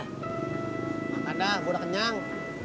makan dah gue udah kenyang